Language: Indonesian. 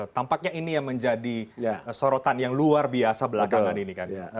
tampaknya ini yang menjadi sorotan yang luar biasa belakangan ini kan